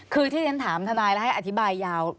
คือที่ฉันถามทนายแล้วให้อธิบายยาว